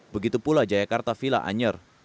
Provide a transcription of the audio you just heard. begitu pula jayakarta villa anyer